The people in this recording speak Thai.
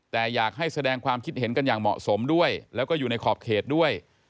แต่อยากให้แสดงความคิดเห็นกันอย่างเหมาะสมด้วยแล้วก็อยู่ในขอบเขตด้วย